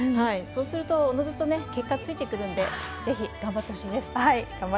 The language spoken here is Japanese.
そうすると、おのずと結果はついてくるのでぜひ、頑張ってほしいです。